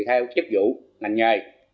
theo chức vụ ngành nghề